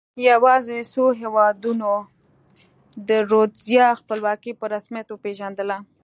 یوازې څو هېوادونو د رودزیا خپلواکي په رسمیت وپېژندله.